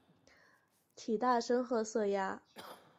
体大深褐色鸭。